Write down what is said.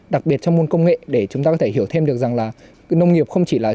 đặc biệt trong môn công nghệ để chúng ta có thể hiểu thêm được rằng là nông nghiệp không chỉ là